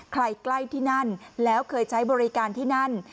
ใกล้ที่นั่นแล้วเคยใช้บริการที่นั่น